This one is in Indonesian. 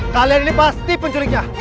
kalian ini pasti penculiknya